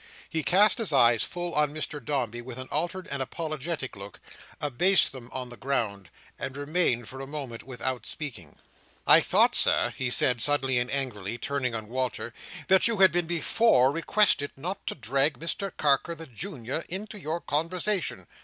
He cast his eyes full on Mr Dombey with an altered and apologetic look, abased them on the ground, and remained for a moment without speaking. "I thought, Sir," he said suddenly and angrily, turning on Walter, "that you had been before requested not to drag Mr Carker the Junior into your conversation."